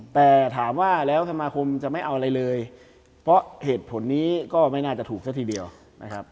แต่ถามว่าแล้วสมาคมจะไม่เอาอะไรเลยเพราะเหตุผลนี้ก็ไม่น่าจะถูกซะทีเดียวนะครับ